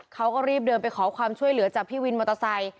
เขาก็รีบเดินไปขอความช่วยเหลือจากพี่วินมอเตอร์ไซค